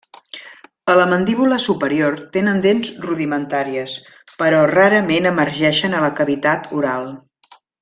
A la mandíbula superior tenen dents rudimentàries, però rarament emergeixen a la cavitat oral.